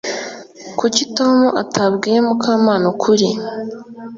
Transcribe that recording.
Kuki Tom atabwiye Mukamana ukuri